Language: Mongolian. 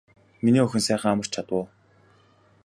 Миний охин сайхан амарч чадав уу.